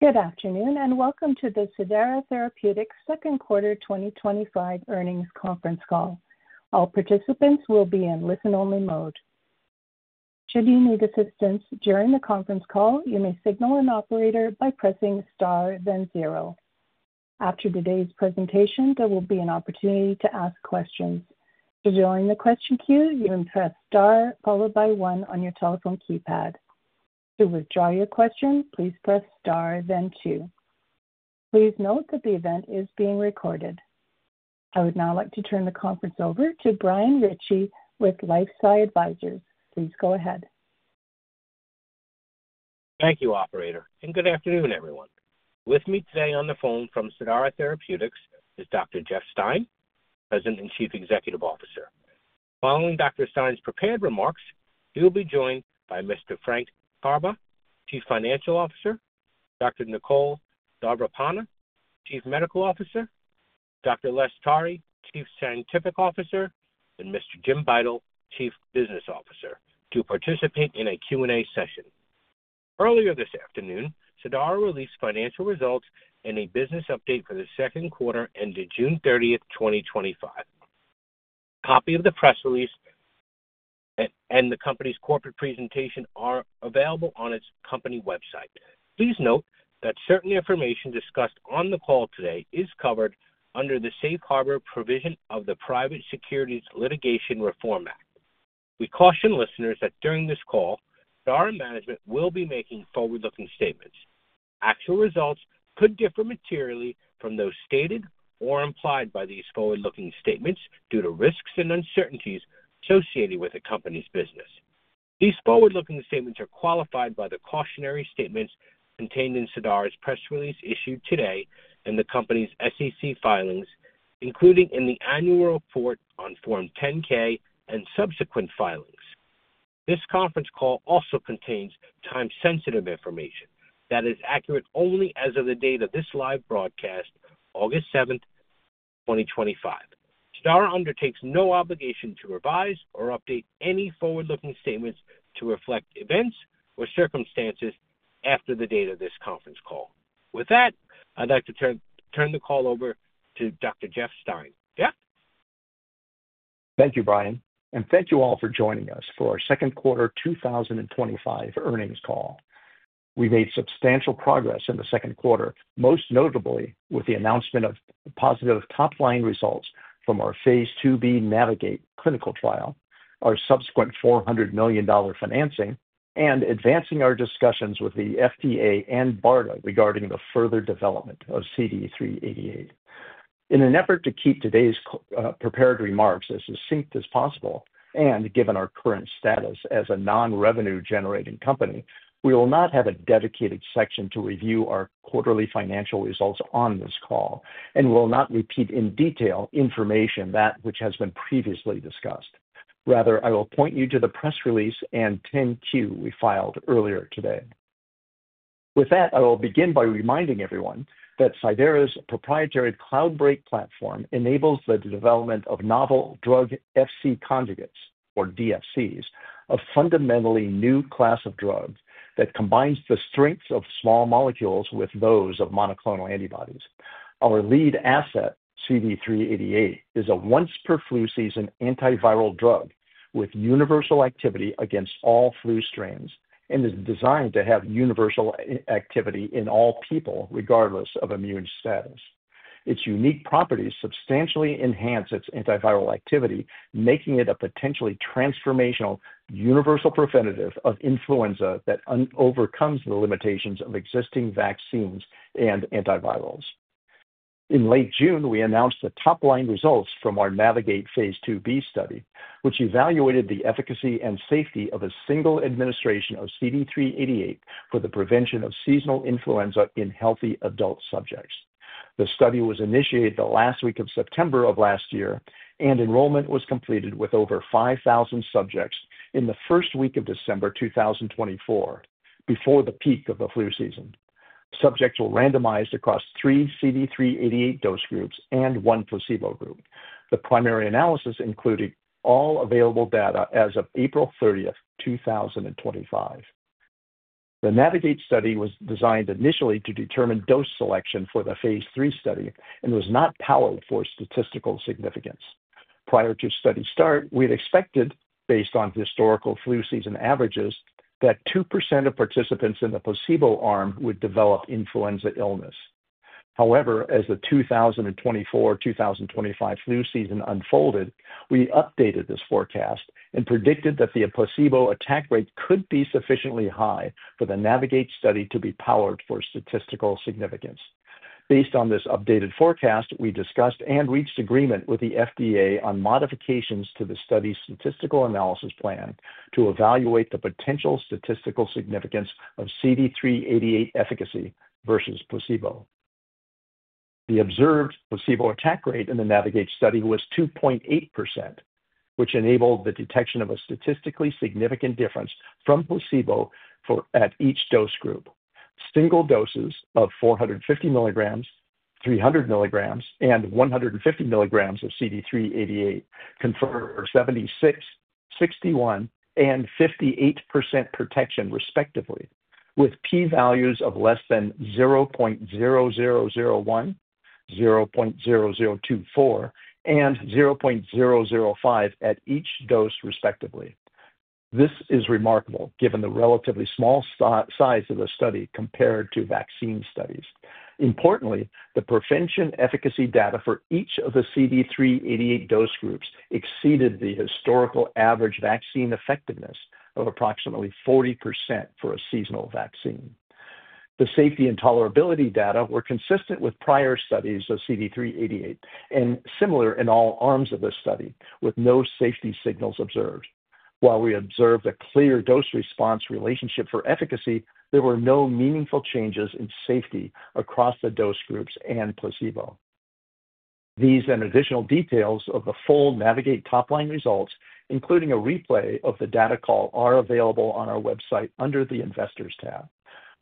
Good afternoon and welcome to the Cidara Therapeutics Second Quarter 2025 Earnings Conference Call. All participants will be in listen-only mode. Should you need assistance during the conference call, you may signal an operator by pressing star, then zero. After today's presentation, there will be an opportunity to ask questions. To join the question queue, you may press star followed by one on your telephone keypad. To withdraw your question, please press star, then two. Please note that the event is being recorded. I would now like to turn the conference over to Brian Ritchie with LifeSci Advisors. Please go ahead. Thank you, operator, and good afternoon, everyone. With me today on the phone from Cidara Therapeutics is Dr. Jeff Stein, President and Chief Executive Officer. Following Dr. Stein's prepared remarks, we will be joined by Mr. Frank Karbe, Chief Financial Officer, Dr. Nicole Davarpanah, Chief Medical Officer, Dr. Les Tari, Chief Scientific Officer, and Mr. Jim Beitel, Chief Business Officer, to participate in a Q&A session. Earlier this afternoon, Cidara released financial results and a business update for the second quarter ended June 30th, 2025. A copy of the press release and the company's corporate presentation are available on its company website. Please note that certain information discussed on the call today is covered under the Safe Harbor provision of the Private Securities Litigation Reform Act. We caution listeners that during this call, Cidara management will be making forward-looking statements. Actual results could differ materially from those stated or implied by these forward-looking statements due to risks and uncertainties associated with a company's business. These forward-looking statements are qualified by the cautionary statements contained in Cidara's press release issued today and the company's SEC filings, including in the annual report on Form 10-K and subsequent filings. This conference call also contains time-sensitive information that is accurate only as of the date of this live broadcast, August 7th, 2025. Cidara undertakes no obligation to revise or update any forward-looking statements to reflect events or circumstances after the date of this conference call. With that, I'd like to turn the call over to Dr. Jeff Stein. Jeff? Thank you, Brian, and thank you all for joining us for our Second Quarter 2025 Earnings Call. We made substantial progress in the second quarter, most notably with the announcement of positive top-line results from our phase II-B NAVIGATE clinical trial, our subsequent $400 million financing, and advancing our discussions with the FDA and BARDA regarding the further development of CD388. In an effort to keep today's prepared remarks as succinct as possible, and given our current status as a non-revenue-generating company, we will not have a dedicated section to review our quarterly financial results on this call and will not repeat in detail information that which has been previously discussed. Rather, I will point you to the press release and 10-Q we filed earlier today. With that, I will begin by reminding everyone that Cidara's proprietary Cloudbreak platform enables the development of novel drug-Fc conjugates, or DFCs, a fundamentally new class of drug that combines the strengths of small molecules with those of monoclonal antibodies. Our lead asset, CD388, is a once-per-flu season antiviral drug with universal activity against all flu strains and is designed to have universal activity in all people, regardless of immune status. Its unique properties substantially enhance its antiviral activity, making it a potentially transformational universal preventative of influenza that overcomes the limitations of existing vaccines and antivirals. In late June, we announced the top-line results from our NAVIGATE phase II-B study, which evaluated the efficacy and safety of a single administration of CD388 for the prevention of seasonal influenza in healthy adult subjects. The study was initiated the last week of September of last year, and enrollment was completed with over 5,000 subjects in the first week of December 2024, before the peak of the flu season. Subjects were randomized across three CD388 dose groups and one placebo group. The primary analysis included all available data as of April 30, 2025. The NAVIGATE study was designed initially to determine dose selection for the phase III study and was not powered for statistical significance. Prior to study start, we had expected, based on historical flu season averages, that 2% of participants in the placebo arm would develop influenza illness. However, as the 2024-2025 flu season unfolded, we updated this forecast and predicted that the placebo attack rate could be sufficiently high for the NAVIGATE study to be piloted for statistical significance. Based on this updated forecast, we discussed and reached agreement with the FDA on modifications to the study's statistical analysis plan to evaluate the potential statistical significance of CD388 efficacy versus placebo. The observed placebo attack rate in the NAVIGATE study was 2.8%, which enabled the detection of a statistically significant difference from placebo at each dose group. Single doses of 450 mg, 300 mg, and 150 mg of CD388 confer 76%, 61%, and 58% protection, respectively, with p-values of less than 0.0001, 0.0024, and 0.005 at each dose, respectively. This is remarkable given the relatively small size of the study compared to vaccine studies. Importantly, the prevention efficacy data for each of the CD388 dose groups exceeded the historical average vaccine effectiveness of approximately 40% for a seasonal vaccine. The safety and tolerability data were consistent with prior studies of CD388 and similar in all arms of the study, with no safety signals observed. While we observed a clear dose-response relationship for efficacy, there were no meaningful changes in safety across the dose groups and placebo. These and additional details of the full NAVIGATE top-line results, including a replay of the data call, are available on our website under the Investors tab.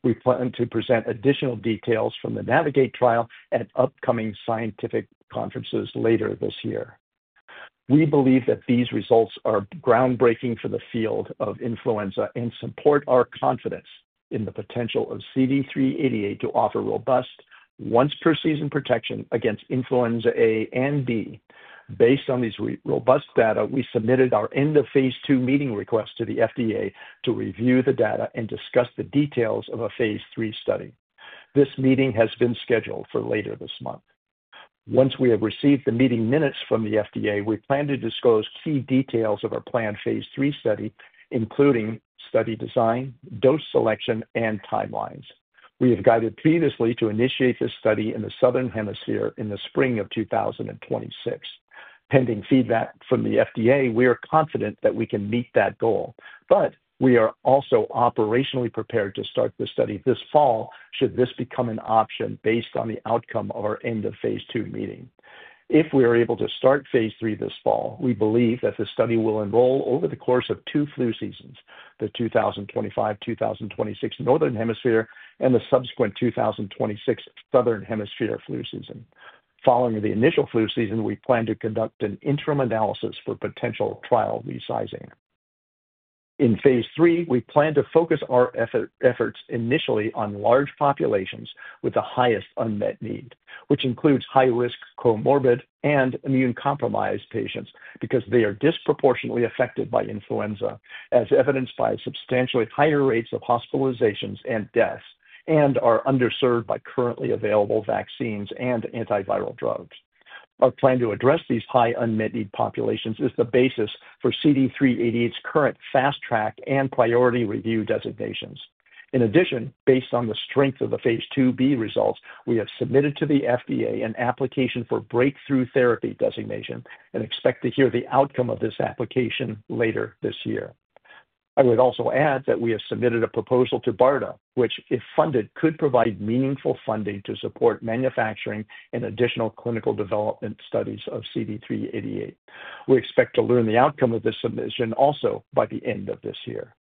We plan to present additional details from the NAVIGATE trial at upcoming scientific conferences later this year. We believe that these results are groundbreaking for the field of influenza and support our confidence in the potential of CD388 to offer robust once-per-season protection against influenza A and B. Based on these robust data, we submitted our end-of-phase-two meeting request to the FDA to review the data and discuss the details of a phase III study. This meeting has been scheduled for later this month. Once we have received the meeting minutes from the FDA, we plan to disclose key details of our planned phase III study, including study design, dose selection, and timelines. We have guided previously to initiate this study in the Southern Hemisphere in the spring of 2026. Pending feedback from the FDA, we are confident that we can meet that goal, but we are also operationally prepared to start the study this fall should this become an option based on the outcome of our end-of-phase-two meeting. If we are able to start phase III this fall, we believe that the study will enroll over the course of two flu seasons: the 2025-2026 Northern Hemisphere and the subsequent 2026 Southern Hemisphere flu season. Following the initial flu season, we plan to conduct an interim analysis for potential trial resizing. In Phase III, we plan to focus our efforts initially on large populations with the highest unmet need, which includes high-risk comorbid and immunocompromised patients because they are disproportionately affected by influenza, as evidenced by substantially higher rates of hospitalizations and deaths, and are underserved by currently available vaccines and antiviral drugs. Our plan to address these high unmet need populations is the basis for CD388's current fast track and priority review designations. In addition, based on the strength of the Phase II-B results, we have submitted to the FDA an application for breakthrough therapy designation and expect to hear the outcome of this application later this year. I would also add that we have submitted a proposal to BARDA, which, if funded, could provide meaningful funding to support manufacturing and additional clinical development studies of CD388. We expect to learn the outcome of this submission also by the end of this year.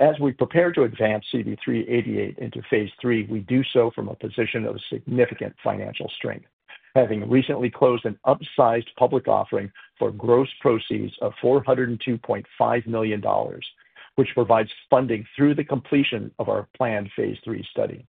As we prepare to advance CD388 into phase III, we do so from a position of significant financial strength, having recently closed an upsized public offering for gross proceeds of $402.5 million, which provides funding through the completion of our planned phase III study.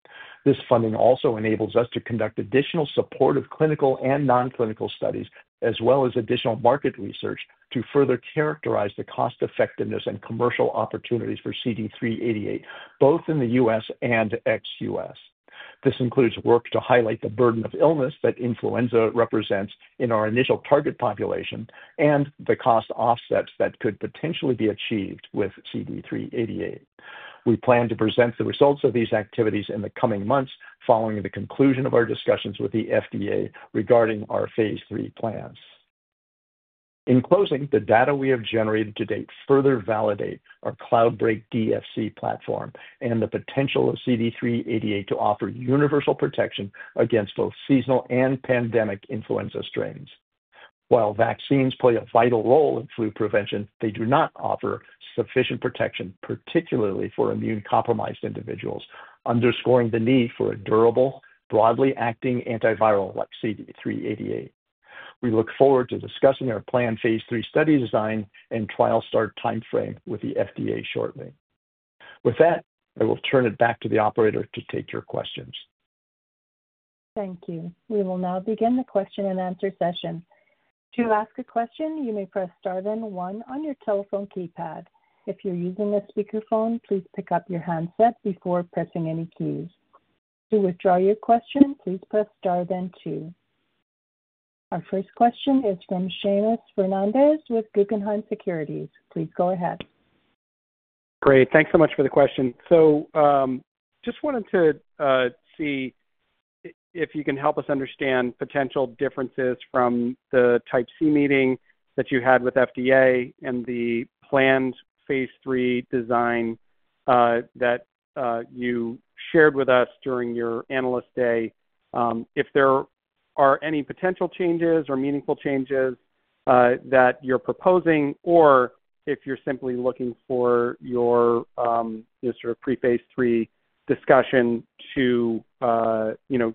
This funding also enables us to conduct additional supportive clinical and non-clinical studies, as well as additional market research to further characterize the cost-effectiveness and commercial opportunities for CD388, both in the U.S. and ex-U.S. This includes work to highlight the burden of illness that influenza represents in our initial target population and the cost offsets that could potentially be achieved with CD388. We plan to present the results of these activities in the coming months following the conclusion of our discussions with the FDA regarding our phase III plans. In closing, the data we have generated to date further validate our Cloudbreak platform and the potential of CD388 to offer universal protection against both seasonal and pandemic influenza strains. While vaccines play a vital role in flu prevention, they do not offer sufficient protection, particularly for immunocompromised individuals, underscoring the need for a durable, broadly acting antiviral like CD388. We look forward to discussing our planned phase III study design and trial start timeframe with the FDA shortly. With that, I will turn it back to the operator to take your questions. Thank you. We will now begin the question and answer session. To ask a question, you may press star then one on your telephone keypad. If you're using a speakerphone, please pick up your handset before pressing any keys. To withdraw your question, please press star then two. Our first question is from Seamus Fernandez with Guggenheim. Please go ahead. Great. Thanks so much for the question. Just wanted to see if you can help us understand potential differences from the Type C meeting that you had with the FDA and the planned phase III design that you shared with us during your analyst day. If there are any potential changes or meaningful changes that you're proposing, or if you're simply looking for your sort of pre-phase III discussion to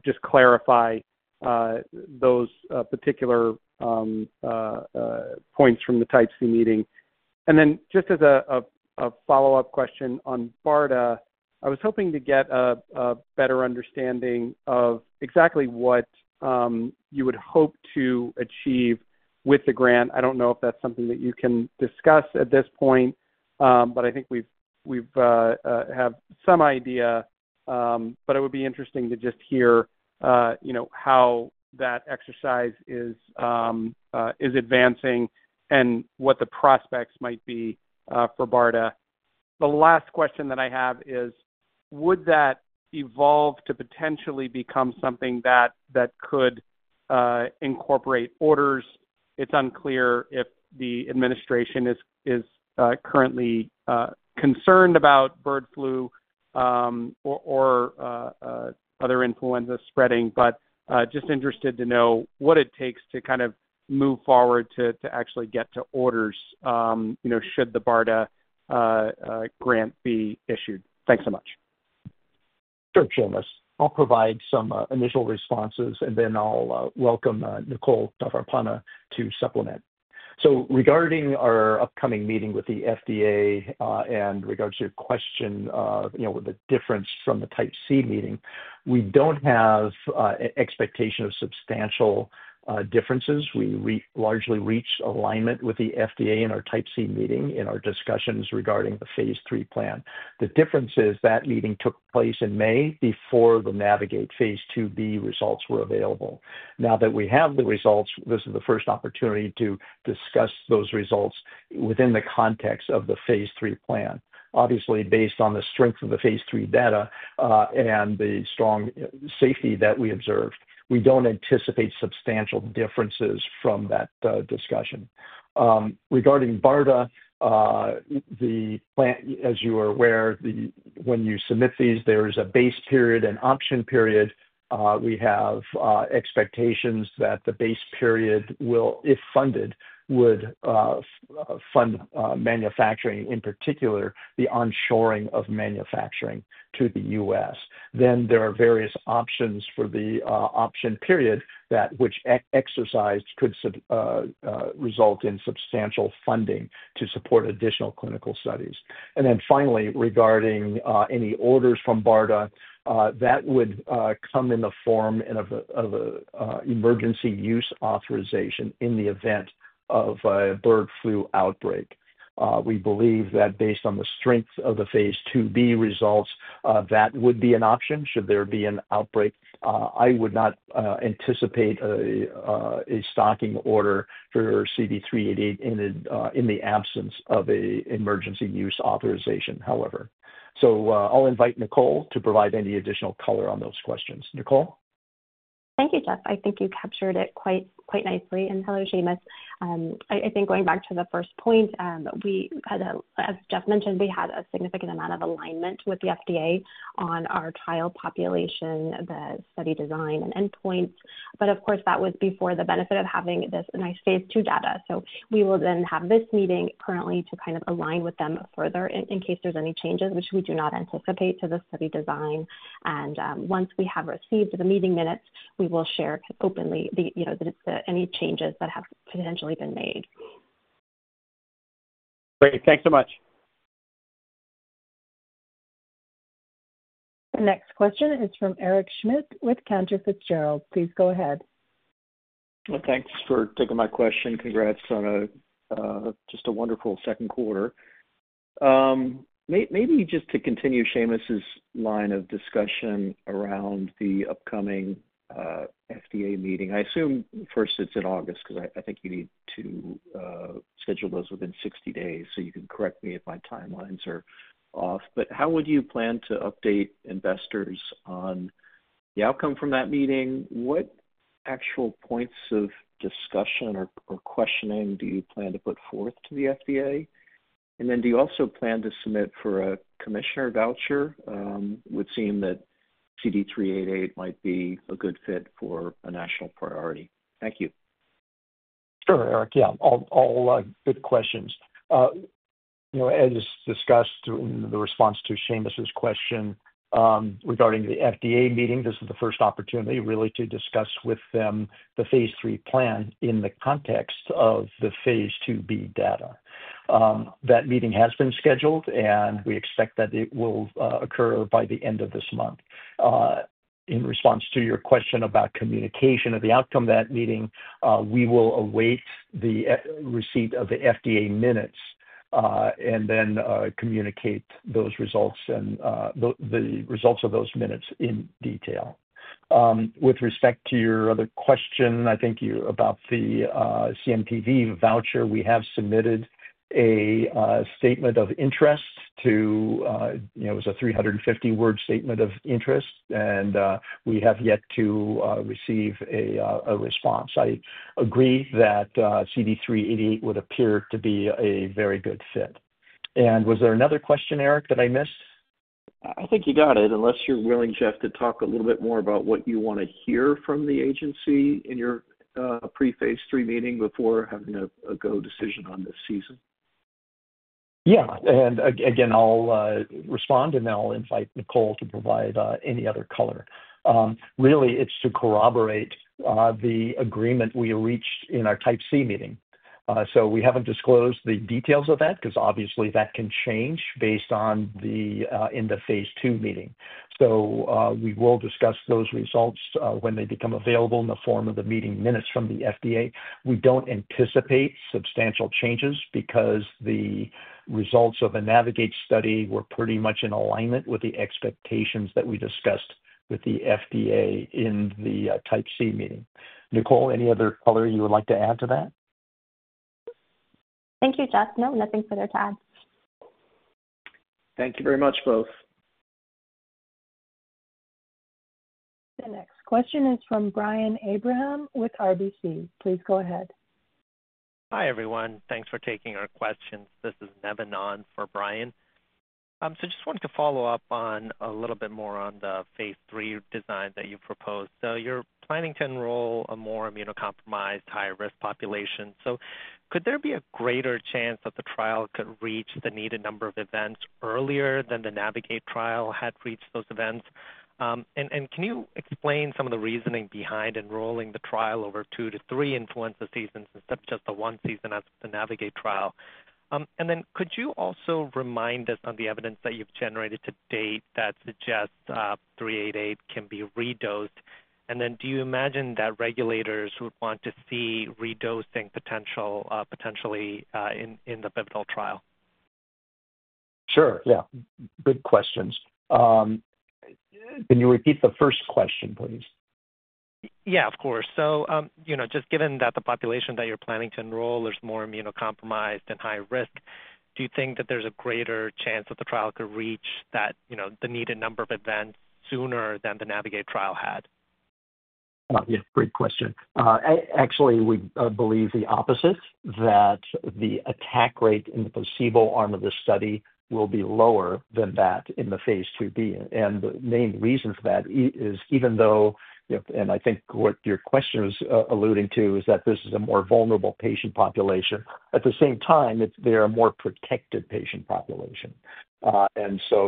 just clarify those particular points from the Type C meeting. Just as a follow-up question on BARDA, I was hoping to get a better understanding of exactly what you would hope to achieve with the grant. I don't know if that's something that you can discuss at this point, but I think we have some idea. It would be interesting to just hear how that exercise is advancing and what the prospects might be for BARDA. The last question that I have is, would that evolve to potentially become something that could incorporate orders? It's unclear if the administration is currently concerned about bird flu or other influenza spreading, just interested to know what it takes to kind of move forward to actually get to orders, should the BARDA grant be issued. Thanks so much. Sure, Seamus. I'll provide some initial responses, and then I'll welcome Nicole Davarpanah to supplement. Regarding our upcoming meeting with the FDA, and regarding your question of the difference from the Type C meeting, we don't have an expectation of substantial differences. We largely reached alignment with the FDA in our Type C meeting in our discussions regarding the phase III plan. The difference is that meeting took place in May before the NAVIGATE phase II-B results were available. Now that we have the results, this is the first opportunity to discuss those results within the context of the phase III plan. Obviously, based on the strength of the phase III data and the strong safety that we observe, we don't anticipate substantial differences from that discussion. Regarding BARDA, the plan, as you are aware, when you submit these, there is a base period and option period. We have expectations that the base period will, if funded, fund manufacturing, in particular, the onshoring of manufacturing to the U.S. Then there are various options for the option period, which if exercised, could result in substantial funding to support additional clinical studies. Finally, regarding any orders from BARDA, that would come in the form of an emergency use authorization in the event of a bird flu outbreak. We believe that based on the strength of the Phase II-B results, that would be an option. Should there be an outbreak, I would not anticipate a stocking order for CD388 in the absence of an emergency use authorization, however. I'll invite Nicole to provide any additional color on those questions. Nicole? Thank you, Jeff. I think you captured it quite, quite nicely. Hello, Seamus. Going back to the first point, we had, as Jeff mentioned, a significant amount of alignment with the FDA on our trial population, the study design, and endpoints. That was before the benefit of having this nice phase II data. We will have this meeting currently to align with them further in case there's any changes, which we do not anticipate to the study design. Once we have received the meeting minutes, we will share openly any changes that have potentially been made. Great. Thanks so much. Our next question is from Eric Schmidt with Cantor Fitzgerald. Please go ahead. Thank you for taking my question. Congrats on a, just a wonderful second quarter. Maybe just to continue Seamus' line of discussion around the upcoming FDA meeting. I assume first it's in August because I think you need to schedule those within 60 days, so you can correct me if my timelines are off. How would you plan to update investors on the outcome from that meeting? What actual points of discussion or questioning do you plan to put forth to the FDA? Do you also plan to submit for a commissioner voucher? It would seem that CD388 might be a good fit for a national priority. Thank you. Sure, Eric. All good questions. As discussed in the response to Shayna's question regarding the FDA meeting, this is the first opportunity to discuss with them the phase III plan in the context of the phase II-B data. That meeting has been scheduled, and we expect that it will occur by the end of this month. In response to your question about communication of the outcome of that meeting, we will await the receipt of the FDA minutes, and then communicate those results and the results of those minutes in detail. With respect to your other question, I think about the CMPV voucher, we have submitted a statement of interest. It was a 350-word statement of interest, and we have yet to receive a response. I agree that CD388 would appear to be a very good fit. Was there another question, Eric, that I missed? I think you got it, unless you're willing, Jeff, to talk a little bit more about what you want to hear from the agency in your pre-phase III meeting before having a go-decision on this season. Yeah. I'll respond, and I'll invite Nicole to provide any other color. Really, it's to corroborate the agreement we reached in our Type C meeting. We haven't disclosed the details of that because, obviously, that can change based on the end-of-phase-two meeting. We will discuss those results when they become available in the form of the meeting minutes from the FDA. We don't anticipate substantial changes because the results of the NAVIGATE study were pretty much in alignment with the expectations that we discussed with the FDA in the Type C meeting. Nicole, any other color you would like to add to that? Thank you, Jeff. No, nothing further to add. Thank you very much, both. The next question is from Brian Abrahams with RBC Capital Markets. Please go ahead. Hi, everyone. Thanks for taking our questions. This is Nevin on for Brian. I just wanted to follow up on a little bit more on the phase III design that you proposed. You're planning to enroll a more immunocompromised, high-risk population. Could there be a greater chance that the trial could reach the needed number of events earlier than the NAVIGATE trial had reached those events? Can you explain some of the reasoning behind enrolling the trial over two to three influenza seasons instead of just the one season as with the NAVIGATE trial? Could you also remind us of the evidence that you've generated to date that suggests CD388 can be re-dosed? Do you imagine that regulators would want to see re-dosing potential, potentially, in the pivotal trial? Sure. Good questions. Can you repeat the first question, please? Of course. Just given that the population that you're planning to enroll is more immunocompromised and high-risk, do you think that there's a greater chance that the trial could reach the needed number of events sooner than the NAVIGATE trial had? Yeah, great question. Actually, we believe the opposite, that the attack rate in the placebo arm of this study will be lower than that in the phase II-B. The main reason for that is even though, and I think what your question is alluding to is that this is a more vulnerable patient population, at the same time, they are a more protected patient population.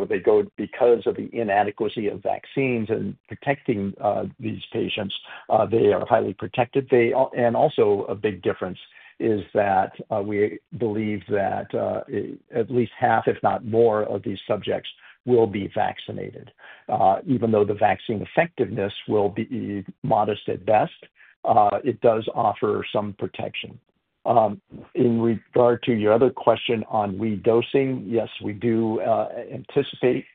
They go because of the inadequacy of vaccines in protecting these patients, they are highly protected. Also, a big difference is that we believe that at least 50%, if not more, of these subjects will be vaccinated. Even though the vaccine effectiveness will be modest at best, it does offer some protection. In regard to your other question on re-dosing, yes, we do anticipate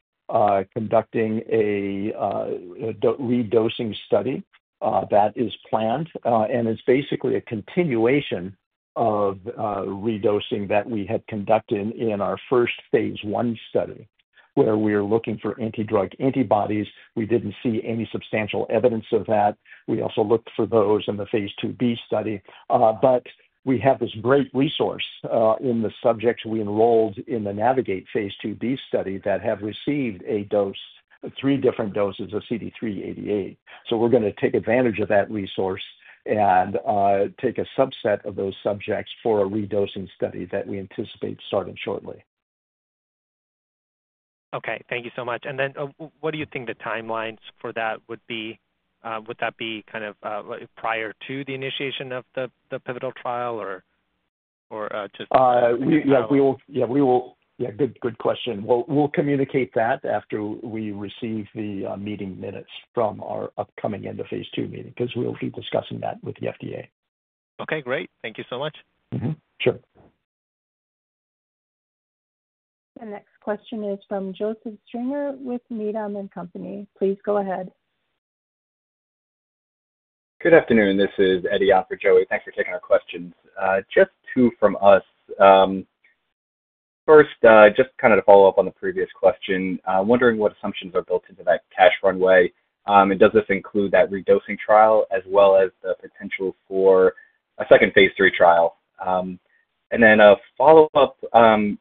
conducting a re-dosing study that is planned, and it's basically a continuation of re-dosing that we had conducted in our first phase I study where we are looking for anti-drug antibodies. We didn't see any substantial evidence of that. We also looked for those in the phase II-B study. We have this great resource in the subjects we enrolled in the NAVIGATE phase II-B study that have received a dose, three different doses of CD388. We're going to take advantage of that resource and take a subset of those subjects for a re-dosing study that we anticipate starting shortly. Thank you so much. What do you think the timelines for that would be? Would that be kind of prior to the initiation of the pivotal trial or just? Yeah, good question. We'll communicate that after we receive the meeting minutes from our upcoming end-of-phase II meeting because we'll be discussing that with the FDA. Okay, great. Thank you so much. Sure. The next question is from Joseph Stringer with Needham & Company. Please go ahead. Good afternoon. This is Eddie on for Joe. Thanks for taking our questions. Just two from us. First, just to follow up on the previous question, I'm wondering what assumptions are built into that cash runway, and does this include that re-dosing trial as well as the potential for a second phase III trial? A follow-up,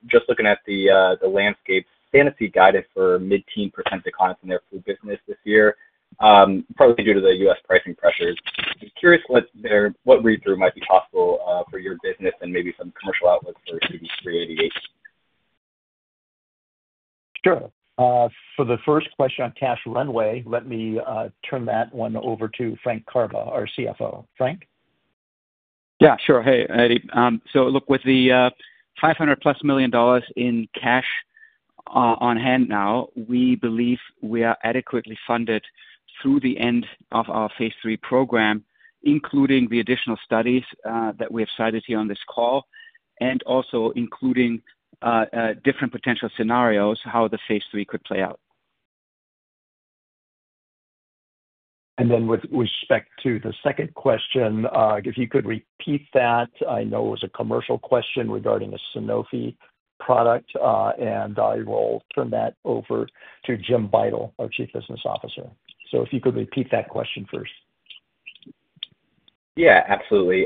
just looking at the landscape. Fantasy guided for mid-teens percent decline in their flu business this year, probably due to the U.S. pricing pressures. I'm curious what their read-through might be possible for your business and maybe some commercial outlook for CD388. Sure. For the first question on cash runway, let me turn that one over to Frank Karbe, our CFO. Frank? Yeah, sure. Hey, Eddie. With the $500 million+ in cash on hand now, we believe we are adequately funded through the end of our phase III program, including the additional studies that we have cited here on this call, and also including different potential scenarios how the phase III could play out. With respect to the second question, if you could repeat that, I know it was a commercial question regarding a Sanofi product, and I will turn that over to Jim Beitel, our Chief Business Officer. If you could repeat that question first. Yeah, absolutely.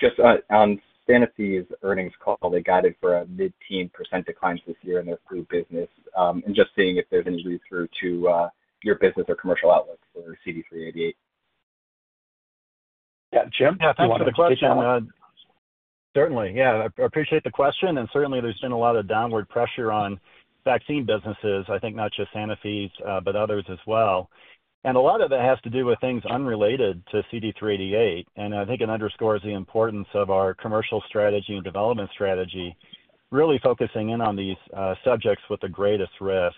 Just on Cidara Therapeutics' earnings call, they guided for a mid-teens percent decline this year in their food business. I'm just seeing if there's any read-through to your business or commercial outlook for CD388. Yeah, Jim? Yeah, thanks for the question. Certainly, I appreciate the question. There has been a lot of downward pressure on vaccine businesses, I think not just others as well. A lot of that has to do with things unrelated to CD388. I think it underscores the importance of our commercial strategy and development strategy, really focusing in on these subjects with the greatest risk.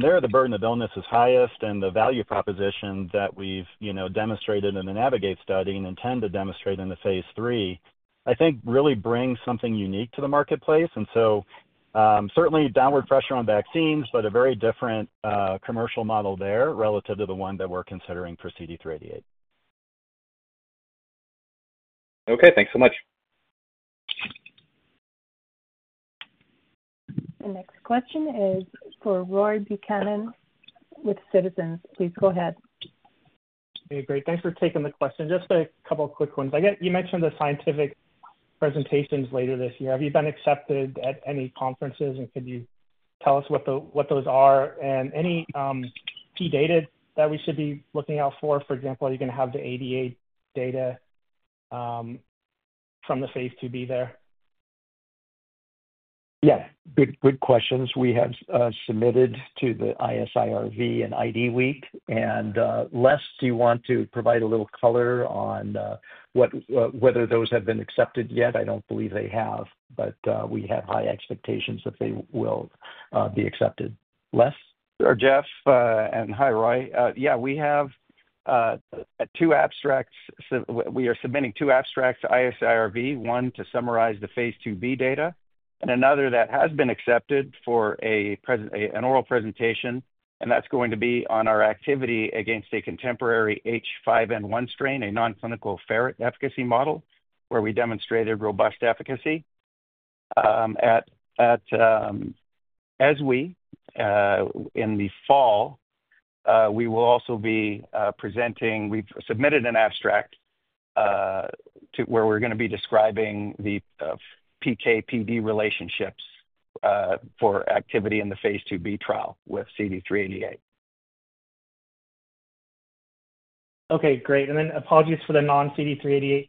There, the burden of illness is highest, and the value proposition that we've demonstrated in the NAVIGATE study and intend to demonstrate in the phase III, I think really brings something unique to the marketplace. Certainly, there is downward pressure on vaccines, but a very different commercial model there relative to the one that we're considering for CD388. Okay, thanks so much. The next question is for Roy Buchanan with Citizens. Please go ahead. Hey, great. Thanks for taking the question. Just a couple of quick ones. I get you mentioned the scientific presentations later this year. Have you been accepted at any conferences, and could you tell us what those are? Any key data that we should be looking out for? For example, are you going to have the CD388 data from the phase II-B there? Yeah, good questions. We have submitted to the ISIRV and ID Week. Les, do you want to provide a little color on whether those have been accepted yet? I don't believe they have, but we have high expectations that they will be accepted. Les? Sure, Jeff, and hi, Roy. Yeah, we have two abstracts. We are submitting two abstracts to ISIRV, one to summarize the phase II-B data, and another that has been accepted for an oral presentation, and that's going to be on our activity against a contemporary H5N1 strain, a non-clinical efficacy model where we demonstrated robust efficacy. In the fall, we will also be presenting. We've submitted an abstract to where we're going to be describing the PK/PD relationships for activity in the Phase II-B trial with CD388. Okay, great. Apologies for the non-CD388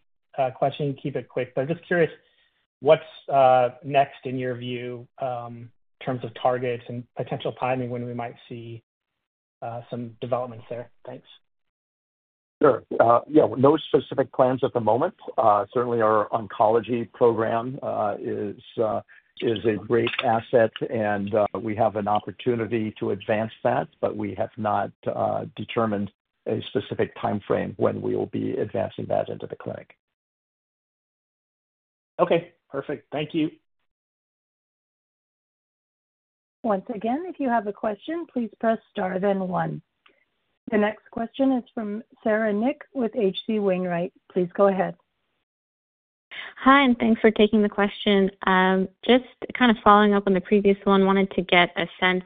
question. I'll keep it quick, but I'm just curious, what's next in your view in terms of targets and potential timing when we might see some developments there? Thanks. Sure. No specific plans at the moment. Certainly, our oncology program is a great asset, and we have an opportunity to advance that, but we have not determined a specific timeframe when we will be advancing that into the clinic. Okay. Perfect. Thank you. Once again, if you have a question, please press star then one. The next question is from Sarah Nik with H.C. Wainwright. Please go ahead. Hi, and thanks for taking the question. Just kind of following up on the previous one, wanted to get a sense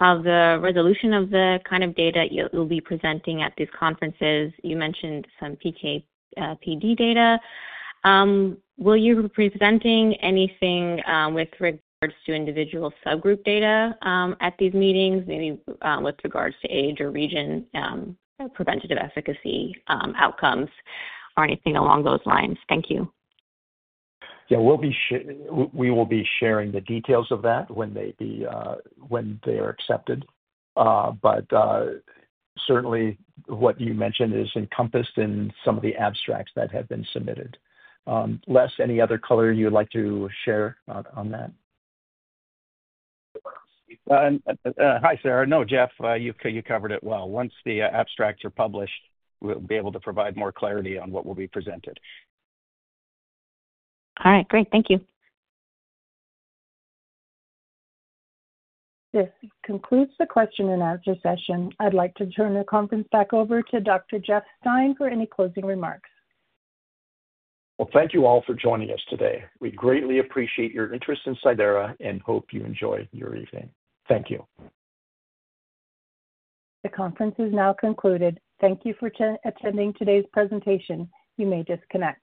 of the resolution of the kind of data you'll be presenting at these conferences. You mentioned some PK/PD data. Will you be presenting anything with regards to individual subgroup data at these meetings, maybe with regards to age or region, preventative efficacy, outcomes, or anything along those lines? Thank you. Yeah, we will be sharing the details of that when they're accepted. Certainly, what you mentioned is encompassed in some of the abstracts that have been submitted. Les, any other color you'd like to share on that? Hi, Sarah. No, Jeff, you covered it well. Once the abstracts are published, we'll be able to provide more clarity on what will be presented. All right. Great. Thank you. This concludes the question and answer session. I'd like to turn the conference back over to Dr. Jeff Stein for any closing remarks. Thank you all for joining us today. We greatly appreciate your interest in Cidara and hope you enjoy your evening. Thank you. The conference is now concluded. Thank you for attending today's presentation. You may disconnect.